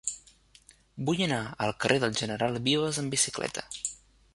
Vull anar al carrer del General Vives amb bicicleta.